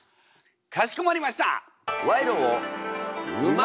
かしこまりました！